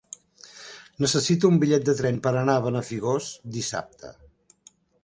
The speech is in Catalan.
Necessito un bitllet de tren per anar a Benafigos dissabte.